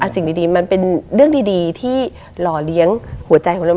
สิ่งดีมันเป็นเรื่องดีที่หล่อเลี้ยงหัวใจของเรา